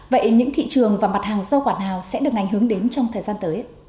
vậy những thị trường và mặt hàng rau quả nào sẽ được ảnh hưởng đến trong thời gian tới